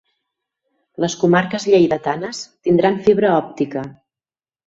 Les comarques lleidatanes tindran fibra òptica.